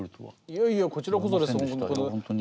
いやいやこちらこそです本当。